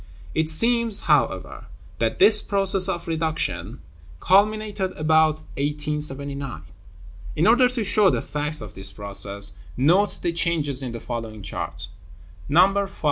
It seems, however, that this process of reduction culminated about 1879. In order to show the facts of this process, note the changes in the following chart, No. V.